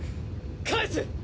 返す！